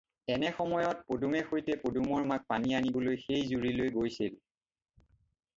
এনে সময়ত পদুমে সৈতে পদুমৰ মাক পানী আনিবলৈ সেই জুৰিলৈ গৈছিল।